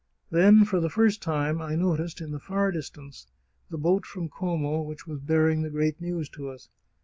Then, for the first time, I noticed, in the far distance, the boat from Como which was bearing the great news to us.